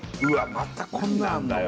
またこんなんあんの？